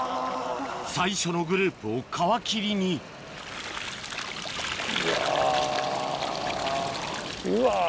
最初のグループを皮切りにうわうわ。